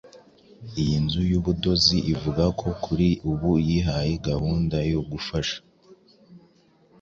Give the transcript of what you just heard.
Iyi nzu y’ubudozi ivuga ko kuri ubu yihaye gahunda yo gufasha